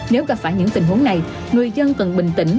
nếu gặp phải những tình huống này người dân cần bình tĩnh